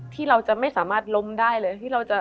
ที่เราจะไม่สามารถล้มได้เลย